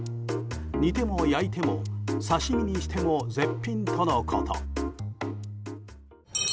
煮ても焼いても刺し身にしても絶品とのこと。